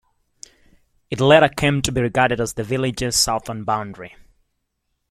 It later came to be regarded as the Village's southern boundary.